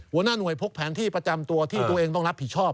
หัวหน้าหน่วยพกแผนที่ประจำตัวที่ตัวเองต้องรับผิดชอบ